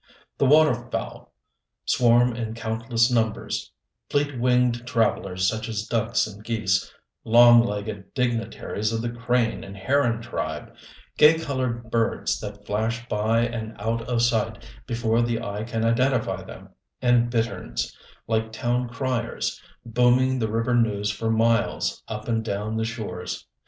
The water fowl swarm in countless numbers: fleet winged travelers such as ducks and geese, long legged dignitaries of the crane and heron tribe, gay colored birds that flash by and out of sight before the eye can identify them, and bitterns, like town criers, booming the river news for miles up and down the shores.